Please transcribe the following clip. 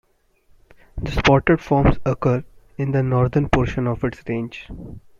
The spotted forms occur in the northern portion of its range.